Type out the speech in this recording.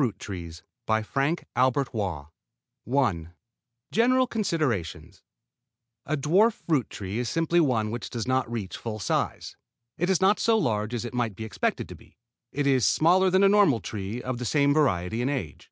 Bailey's Orchard 121 DWARF FRUIT TREES I GENERAL CONSIDERATIONS A dwarf fruit tree is simply one which does not reach full size. It is not so large as it might be expected to be. It is smaller than a normal tree of the same variety and age.